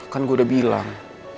kan gue udah bilang